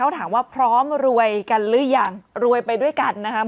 ถามว่าพร้อมรวยกันหรือยังรวยไปด้วยกันนะครับ